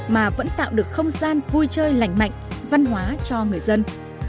mà vẫn tạo được không gian vui chơi lành mạnh văn hóa cho người dân